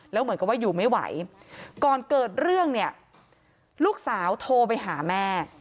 แล้วเหมือนกับว่าอยู่ไม่ไหวก่อนเกิดเรื่องเนี่ยลูกสาวโทรไปหาแม่